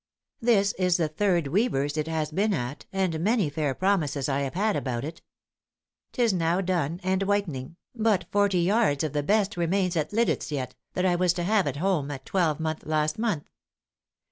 This is the third weaver's it has been at, and many fair promises I have had about it. 'Tis now done and whitening, but forty yards of the best remains at Liditz yet, that I was to have had home a twelvemonth last month.